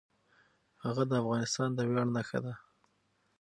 هغه د افغانستان د ویاړ نښه ده.